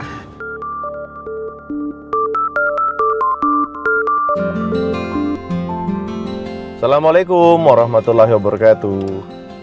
assalamualaikum warahmatullahi wabarakatuh